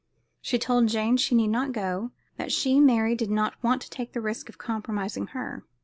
She told Jane she need not go; that she, Mary, did not want to take any risk of compromising her.